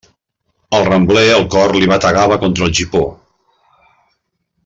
Al rambler el cor li bategava contra el gipó.